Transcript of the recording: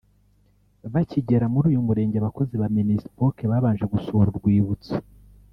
Bakigera muri uyu murenge abakozi ba Minispoc babanje gusura urwibutso